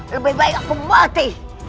lebih baik aku mati